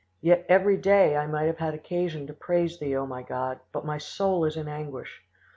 Yet every day I might have had occasion to praise Thee, O my God, but my soul is in anguish.